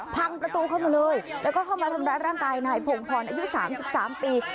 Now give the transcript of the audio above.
พังประตูเข้ามาเลยแล้วก็เข้ามาทำรับร่างกายนายผงพรอายุสามสิบสามปี